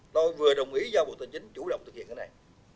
tôi vừa đồng ý do bộ tài chính chủ động thực hiện cái này